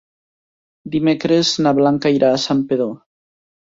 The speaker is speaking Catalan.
Dimecres na Blanca irà a Santpedor.